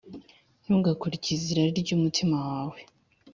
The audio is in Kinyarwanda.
ntugakurikize irari ry’umutima wawe